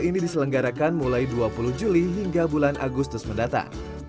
jadi ini kan rasa yang paling favorit nih yang saya suka